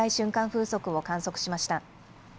風速を観測しました。